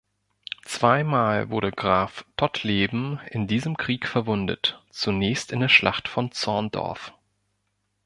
Zweimal wurde Graf Tottleben in diesem Krieg verwundet, zunächst in der Schlacht von Zorndorf.